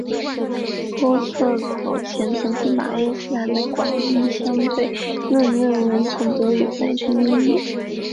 玻色早前曾经把爱因斯坦的广义相对论论文从德语翻译成英语。